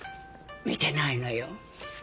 見てないのよ。